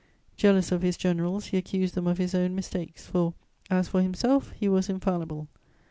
Jealous of his generals, he accused them of his own mistakes, for, as for himself, he was infallible.